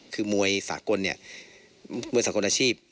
คือมวยสากลเนี่ยมวยสากลอาชีพ